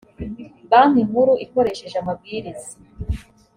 banki nkuru ikoresheje amabwiriza